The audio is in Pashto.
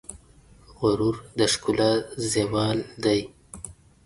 غرور د ښکلا زوال دی.